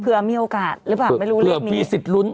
เผื่อมีโอกาสหรือเปล่าไม่รู้เรียกมีเผื่อมีสิทธิ์ลุ้น